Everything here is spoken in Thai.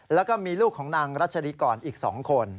แล้วก็มีลูกของนางรัชฎีกรอีก๒คน